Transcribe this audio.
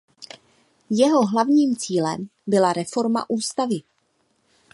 Jeho hlavním cílem byla reforma ústavy.